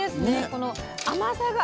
この甘さが。